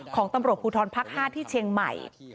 ของตำรวจภูทรภักดิ์๕ที่เชียงใหม่